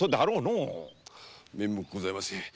面目ございません。